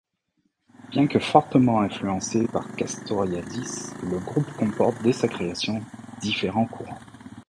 Bien que fortement influencé par Castoriadis, le groupe comporte dès sa création différents courants.